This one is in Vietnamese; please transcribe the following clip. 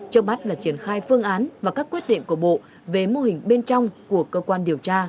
trước bắt là triển khai phương án và các quyết định của bộ về mô hình bên trong của cơ quan điều tra